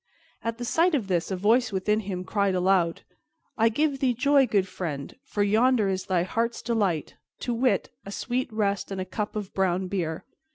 At the sight of this, a voice within him cried aloud, "I give thee joy, good friend, for yonder is thy heart's delight, to wit, a sweet rest and a cup of brown beer."